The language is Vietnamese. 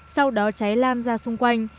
sau đó cháy lan ra xung quanh